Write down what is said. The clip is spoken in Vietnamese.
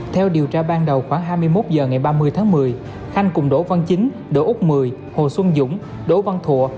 theo điều tra ban đầu khoảng hai mươi một h ngày ba mươi tháng một mươi khanh cùng đỗ văn chính đỗ úc mười hồ xuân dũng đỗ văn thụ